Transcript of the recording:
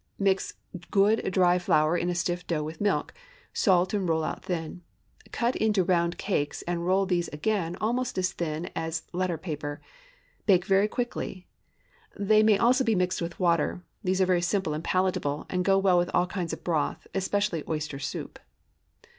✠ Mix good, dry flour to a stiff dough with milk; salt, and roll out thin. Cut into round cakes and roll these again almost as thin as letter paper. Bake very quickly. They may also be mixed with water. These are very simple and palatable, and go well with all kinds of broth, especially oyster soup.